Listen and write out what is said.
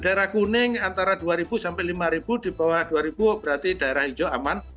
daerah kuning antara dua sampai lima di bawah dua ribu berarti daerah hijau aman